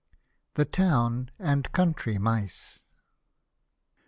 THE TOWN AND COUNTRY MICE.